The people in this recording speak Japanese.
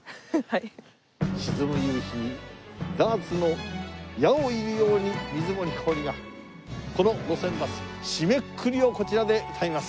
沈む夕日にダーツの矢を射るように水森かおりがこの『路線バス』締めくくりをこちらで歌います。